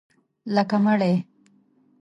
لکه مړی